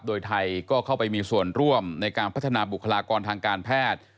โดยไทยก็เข้าไปมีส่วนร่วมในการพัฒนาบุคลากรทางการแพทย์